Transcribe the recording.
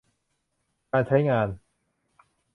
การใช้งาน